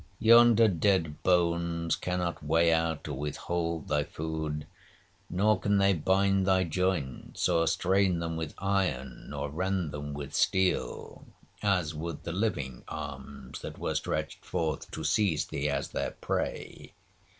Yonder dead bones cannot weigh out or withhold thy food; nor can they bind thy joints, or strain them with iron, or rend them with steel, as would the living arms that were stretched forth to seize thee as their prey.